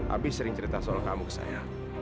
abi sering cerita soal kamu ke saya